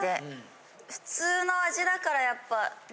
普通の味だからやっぱね。